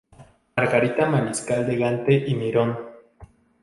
Margarita Mariscal de Gante y Mirón.